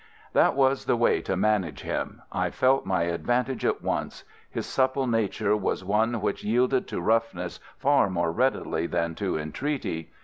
"That was the way to manage him. I felt my advantage at once. His supple nature was one which yielded to roughness far more readily than to entreaty.